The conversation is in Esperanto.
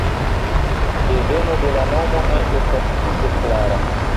Deveno de la nomo ne estas tute klara.